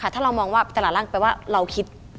ถ้าเรามองว่าตลาดร่างแปลว่าเราคิด